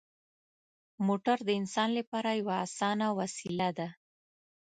موټر د انسان لپاره یوه اسانه وسیله ده.